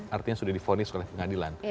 artinya sudah difonis oleh pengadilan